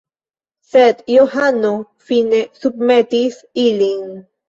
Sed Johano fine submetis ilin.